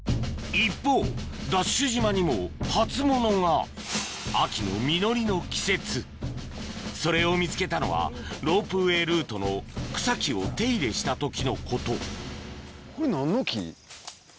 一方ＤＡＳＨ島にも初物が秋の実りの季節それを見つけたのはロープウエールートの草木を手入れした時のこと